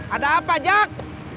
ada apa jack